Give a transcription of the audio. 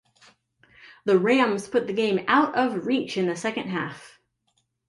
The Rams put the game out of reach in the second half.